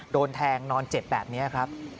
โดนแทงนอนเจ็บแบบนี้ครับ